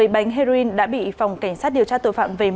một mươi bánh heroin đã bị phòng cảnh sát điều tra tội phạm về ma túy